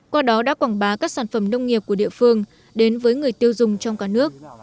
qua đó đã quảng bá các sản phẩm nông nghiệp của địa phương đến với người tiêu dùng trong cả nước